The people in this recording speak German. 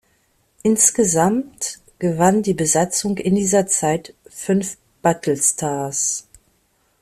Insgesamt gewann die Besatzung in dieser Zeit fünf "Battle Stars".